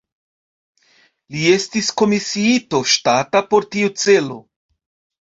Li estis komisiito ŝtata por tiu celo.